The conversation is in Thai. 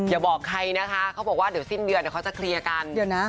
อย่าบอกใครนะคะเค้าบอกว่าสิ้นเดือนเค้าจะเคลียร์กัน